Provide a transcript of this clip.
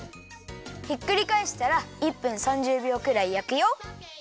ひっくりかえしたら１分３０びょうくらいやくよ。